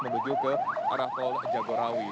menuju ke arah tol jagorawi